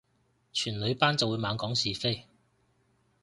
全女班就會猛講是非